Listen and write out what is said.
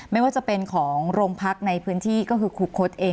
ไม่ว่าจะเป็นของโรงพักในพื้นที่ก็คือครูคดเอง